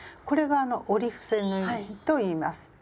これが「折り伏せ縫い」といいます。